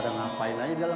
udah ngapain aja di dalam